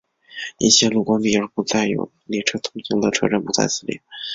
因线路关闭而不再有列车通行的车站不在此列。